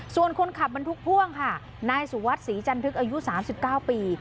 ส่วนคนขับบรรทุกพ่วงค่ะนายสุวัสดิศรีจันทึกอายุ๓๙ปี